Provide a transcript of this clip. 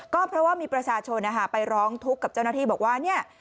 ก็เพราะว่ามีประชาชนไปร้องทุกข์กับเจ้าหน้าที่บอกว่าเนี่ย